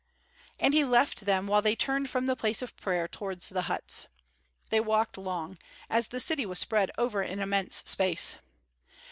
And he left them while they turned from the place of prayer towards the huts. They walked long, as the city was spread over an immense space.